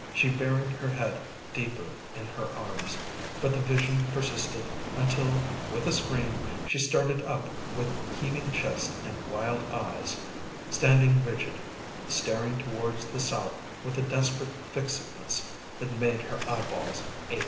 She buried her head deeper in her arms, but the vision persisted until with a scream she started up with heaving chest and wild eyes, standing rigid, staring towards the south with a desperate fixedness that made her eyeballs ache.